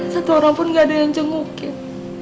satu orang pun gak ada yang jengukin